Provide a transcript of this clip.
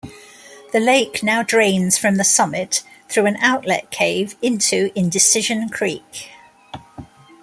The lake now drains from the summit through an outlet cave into Indecision Creek.